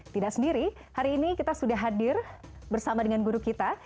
tidak sendiri hari ini kita sudah hadir bersama dengan guru kita